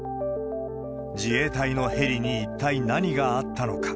自衛隊のヘリに一体何があったのか。